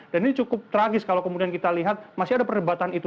dan ini cukup tragis kalau kemudian kita lihat masih ada perdebatan itu